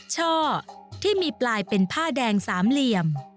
ช่อที่มีปลายเป็นผ้าแดงสามเหลี่ยม